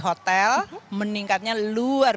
hotel meningkatnya luar